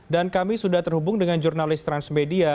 dan kami sudah terhubung dengan jurnalis transmedia